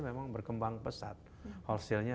memang berkembang pesat wholesalernya